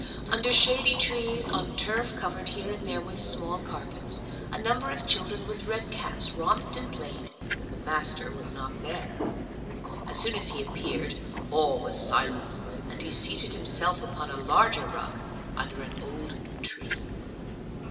Under shady trees, on turf covered here and there with small carpets, a number of children with red caps romped and played, when the Master was not there. As soon as he appeared all was silence, and he seated himself upon a larger rug, under an old tree.